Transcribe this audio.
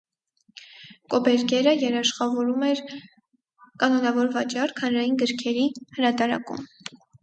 Կոբերգերը երաշխավորում էր կանոնավոր վաճառք, հանրային գրքերի հրատարակում։